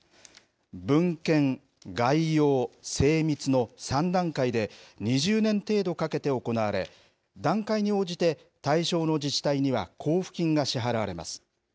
文献、概要、精密の３段階で、２０年程度かけて行われ、段階に応じて対象の自治体には交付金が支払われます。